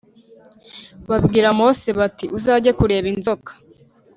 Babwira Mose bati uzajye kureba inzoka